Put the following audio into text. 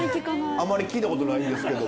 あんまり聞いたことないんですけど。